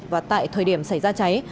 và tại thời điểm xảy ra cháy